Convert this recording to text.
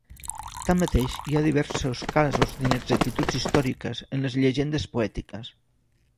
Tanmateix, hi ha diversos casos d'inexactituds històriques en les llegendes poètiques.